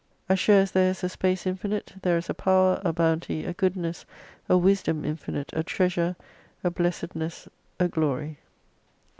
As sure as there is a Space infinite, there is a Power, a Bounty, a Goodness, a Wisdom infinite, a Treasure, a Blessedness, a Glory.